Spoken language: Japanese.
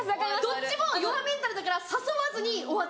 どっちも弱メンタルだから誘わずに終わっちゃうんですよね。